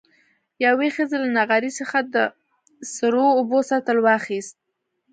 يوې ښځې له نغري څخه د سرو اوبو سطل واخېست.